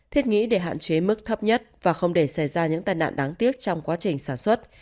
thiết nghĩ để hạn chế mức thấp nhất và không để xảy ra những tai nạn đáng tiếc trong quá trình sản xuất